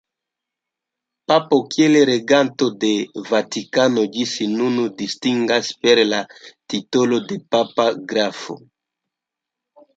Papo, kiel reganto de Vatikano, ĝis nun distingas per la titolo de papa grafo.